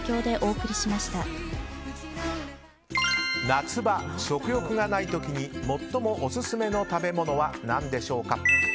夏場、食欲がない時に最もオススメの食べ物は何でしょうか。